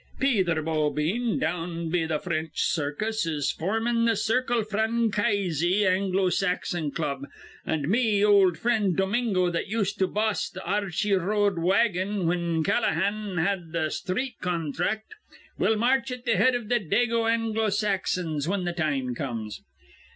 Pether Bowbeen down be th' Frinch church is formin' th' Circle Francaize Anglo Saxon club, an' me ol' frind Dominigo that used to boss th' Ar rchey R road wagon whin Callaghan had th' sthreet conthract will march at th' head iv th' Dago Anglo Saxons whin th' time comes.